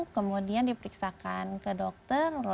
kemudian diperiksakan ke dokter